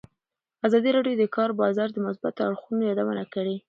ازادي راډیو د د کار بازار د مثبتو اړخونو یادونه کړې.